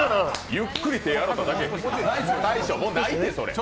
ゆっくり手、洗っただけ。